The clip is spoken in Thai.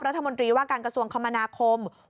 รัฐมนตรีว่าการกระทรวงคมนาคม